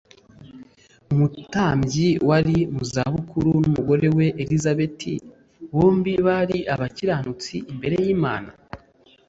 Umutambyi wari mu zabukuru n'umugore we Elizabeti, ''bombi bari abakiranutsi imbere y'Imana ;